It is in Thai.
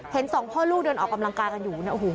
สองพ่อลูกเดินออกกำลังกายกันอยู่เนี่ยโอ้โห